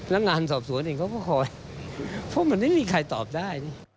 นังงานสอบสวนก็คอยเพราะมันไม่ในมีใครตอบได้